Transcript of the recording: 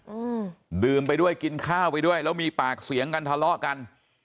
อืมดื่มไปด้วยกินข้าวไปด้วยแล้วมีปากเสียงกันทะเลาะกัน